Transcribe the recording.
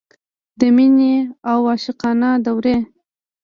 د مینې اوه عاشقانه دورې.